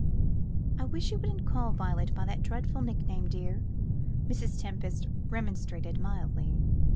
"I wish you wouldn't call Violet by that dreadful nickname, dear," Mrs. Tempest remonstrated mildly.